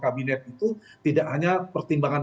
kabinet itu tidak hanya pertimbangan